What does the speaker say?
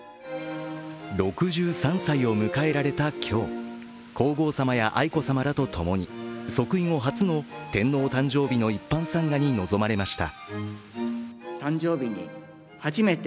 ６３歳を迎えられた今日皇后さまや愛子さまらと共に即位後初の天皇誕生日の一般参賀に臨まれました。